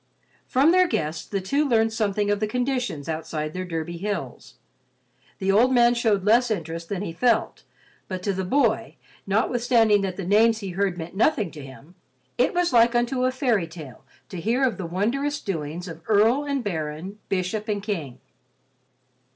From their guests, the two learned something of the conditions outside their Derby hills. The old man showed less interest than he felt, but to the boy, notwithstanding that the names he heard meant nothing to him, it was like unto a fairy tale to hear of the wondrous doings of earl and baron, bishop and king.